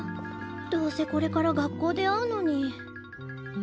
どうせこれから学校で会うのに。